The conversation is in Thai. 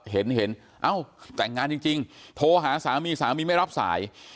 เห็นเห็นเอ้าแต่งงานจริงโทรหาสามีสามีไม่รับสาย